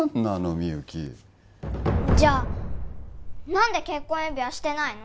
みゆきじゃ何で結婚指輪してないの？